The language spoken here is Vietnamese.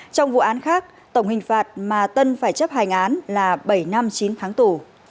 trong vụ án khác tổng hình phạt mà tân phải chấp hành án là bảy năm chín tháng tù